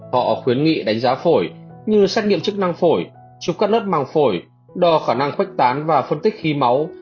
họ khuyến nghị đánh giá phổi như xét nghiệm chức năng phổi chụp các nớt màng phổi đò khả năng khuếch tán và phân tích khi máu